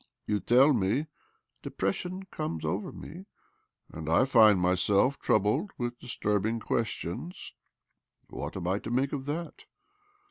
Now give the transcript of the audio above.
You tell me, ' Depression comes over me,' and ' I find myself troubled with disturbing questions.' ■What am I to make of that?